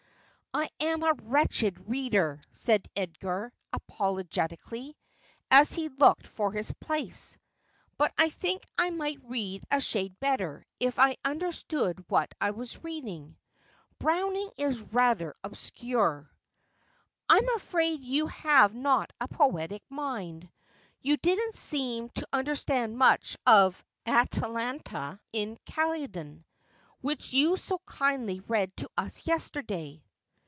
' I am a wretched reader,' said Edgar apologetically, as he looked for his place ;' but I think I might read a shade better if I understood what I was reading. Browning is rather obscure.' ' I'm afraid you have not a poetic mind. You didn't seem to understand much of " Atalanta in Calydon," which you so kindly read to us yesterday.'